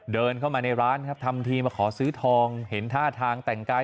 เดินเข้ามาในร้านครับทำทีมาขอซื้อทองเห็นท่าทางแต่งกาย